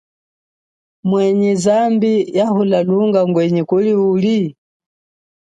Mwene zambi yahula lunga ngwenyi kuli uli?